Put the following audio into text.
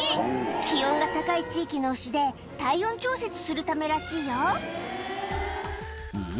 気温が高い地域の牛で体温調節するためらしいよん？